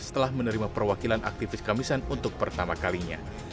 setelah menerima perwakilan aktivis kamisan untuk pertama kalinya